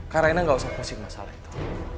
kak raina gak usah pusing masalah itu